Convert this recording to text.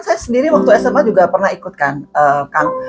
saya sendiri waktu sma juga pernah ikut kan kang